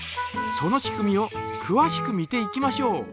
その仕組みをくわしく見ていきましょう。